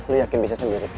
lo yakin bisa sendiri